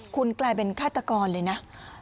คุณกลายเป็นฆาตกรเลยนะ